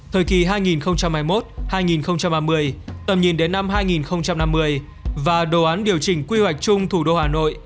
thời kỳ hai nghìn hai mươi một hai nghìn ba mươi tầm nhìn đến năm hai nghìn năm mươi và đồ án điều chỉnh quy hoạch chung thủ đô hà nội